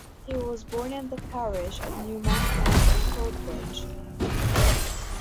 He was born in the parish of New Monkland and Coatbridge.